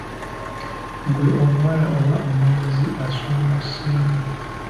Ggwe omuwala oba omulenzi asuumuseemu.